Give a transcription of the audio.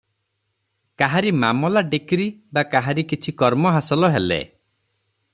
କାହାରି ମାମଲା ଡିକ୍ରୀ ବା କାହାରି କିଛି କର୍ମ ହାସଲ ହେଲେ